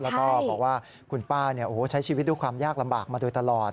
แล้วก็บอกว่าคุณป้าใช้ชีวิตด้วยความยากลำบากมาโดยตลอด